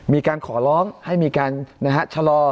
มีการขอร้องให้มีการชะลอ